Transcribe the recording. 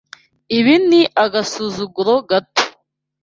Ibi ni agasuzuguro gato.